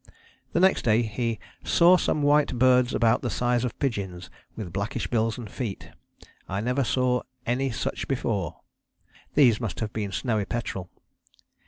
The next day he "saw some white birds about the size of pigeons, with blackish bills and feet. I never saw any such before." These must have been Snowy Petrel.